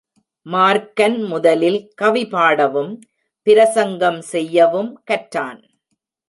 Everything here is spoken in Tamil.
மார்க்கன் முதலில் கவி பாடவும், பிரசங்கம் செய்யவும் கற்றான்.